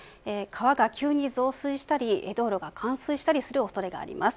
川が急に増水したり、道路が冠水したりする恐れがあります。